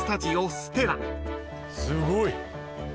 すごい。